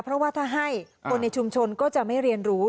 เพราะว่าถ้าให้คนในชุมชนก็จะไม่เรียนรู้